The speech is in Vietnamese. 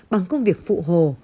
bằng công việc phụ hồ